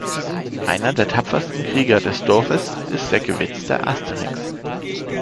Einer der tapfersten Krieger des Dorfes ist der gewitzte Asterix.